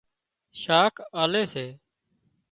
شاک آلي سي